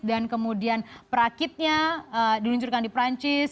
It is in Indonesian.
dan kemudian perakitnya diluncurkan di perancis